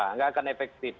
tidak akan efektif